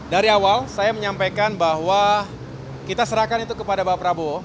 dari awal saya menyampaikan bahwa kita serahkan itu kepada pak prabowo